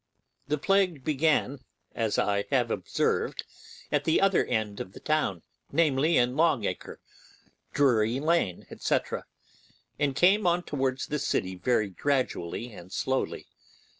The plague began, as I have observed, at the other end of the town, namely, in Long Acre, Drury Lane, &c., and came on towards the city very gradually and slowly.